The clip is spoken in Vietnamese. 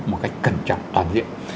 một cách cẩn trọng toàn diện